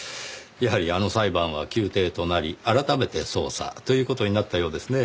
やはりあの裁判は休廷となり改めて捜査という事になったようですねぇ。